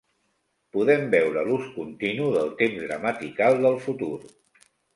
Podem veure l'ús continu del temps gramatical del futur.